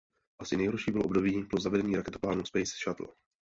Asi nejhorší bylo období po zavedení raketoplánů Space Shuttle.